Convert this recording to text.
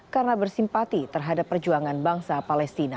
karena bersimpati terhadap perjuangan bangsa palestina